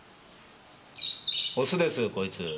オスですこいつ。